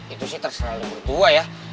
itu sih terserah lo gue tua ya